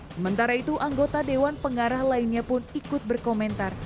sementara itu anggota dewan pengarah lainnya pun ikut berkomentar